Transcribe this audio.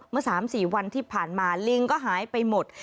เมื่อ๓๔วันที่ผ่านมาลิงก็หายไปหมด